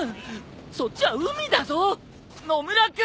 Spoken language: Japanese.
そっちは海だぞ野村君！